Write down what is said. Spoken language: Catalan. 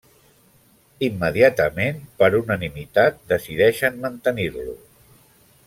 Immediatament, per unanimitat decideixen mantenir-lo.